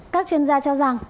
các chuyên gia cho rằng